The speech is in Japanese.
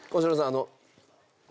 あの。